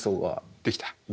できた。